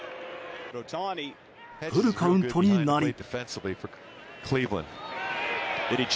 フルカウントになり。